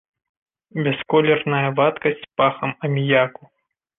Бясколерная вадкасць з пахам аміяку.